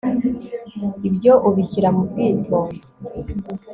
ibyo ubishyira mu bwitonzi